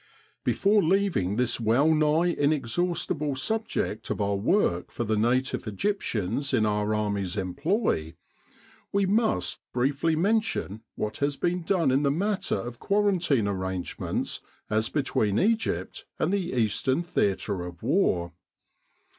Before leaving this well nigh inexhaustible subject of our work for the native Egyptians in our Army's employ, we must briefly mention what has been done in the matter of quarantine arrangements as between Egypt and the eastern theatre of War.